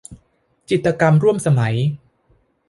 จิตรกรรมร่วมสมัย